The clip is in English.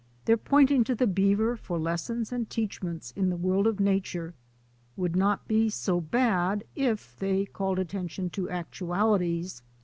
Their pointing to the beaver for lessons and teach ments in the world of nature would not be so bad if they called attention to actualities.